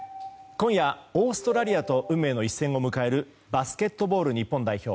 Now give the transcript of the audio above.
今夜、オーストラリアと運命の一戦を迎えるバスケットボール日本代表。